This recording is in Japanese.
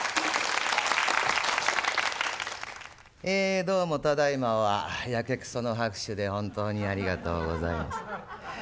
えどうもただいまはヤケクソの拍手で本当にありがとうございます。